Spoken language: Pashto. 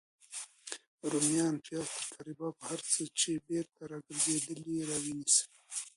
روميان، پیاز، ترکاري باب او هر هغه څه چی بیرته راګرځیدلي راونیسئ